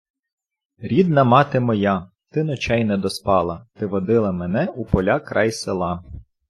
Рідна мати моя, ти ночей не доспала, ти водила мене у поля край села